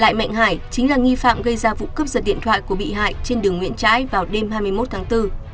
lại mạnh hải chính là nghi phạm gây ra vụ cướp giật điện thoại của bị hại trên đường nguyễn trãi vào đêm hai mươi một tháng bốn